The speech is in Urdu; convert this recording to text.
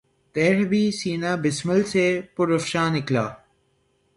تیر بھی سینہٴ بسمل سے پر افشاں نکلا